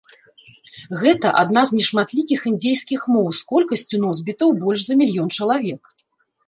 Гэта адна з нешматлікіх індзейскіх моў з колькасцю носьбітаў больш за мільён чалавек.